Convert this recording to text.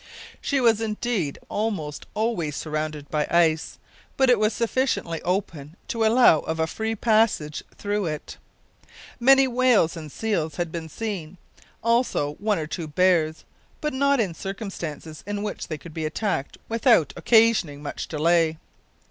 She was indeed almost always surrounded by ice, but it was sufficiently open to allow of a free passage through it. Many whales and seals had been seen, also one or two bears, but not in circumstances in which they could be attacked without occasioning much delay.